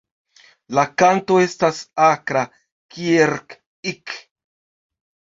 La kanto estas akra "kieerr-ik".